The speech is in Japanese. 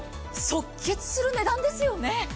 即決する値段ですよね。